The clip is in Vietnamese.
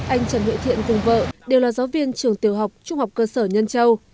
anh trần huệ thiện cùng vợ đều là giáo viên trường tiểu học trung học cơ sở nhân châu